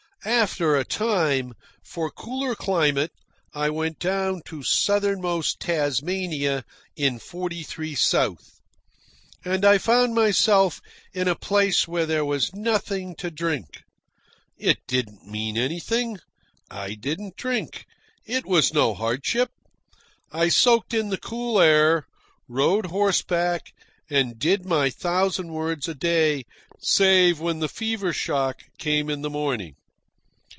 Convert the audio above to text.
After a time, for cooler climate, I went down to southermost Tasmania in forty three South. And I found myself in a place where there was nothing to drink. It didn't mean anything. I didn't drink. It was no hardship. I soaked in the cool air, rode horseback, and did my thousand words a day save when the fever shock came in the morning.